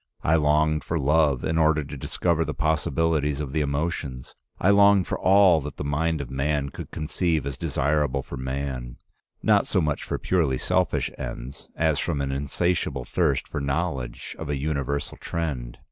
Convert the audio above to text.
I longed for love in order to discover the possibilities of the emotions. I longed for all that the mind of man could conceive as desirable for man, not so much for purely selfish ends, as from an insatiable thirst for knowledge of a universal trend.